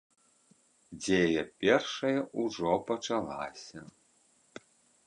Дзея першая ўжо пачалася.